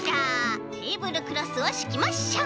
テーブルクロスをしきましょう。